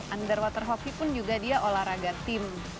underwater hoki pun juga dia olahraga tim